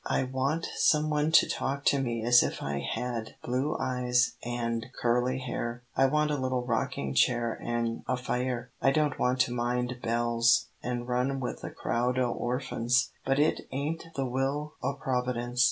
"I want some one to talk to me as if I had blue eyes and curly hair. I want a little rocking chair an' a fire. I don't want to mind bells, an' run with a crowd o' orphans, but it ain't the will o' Providence.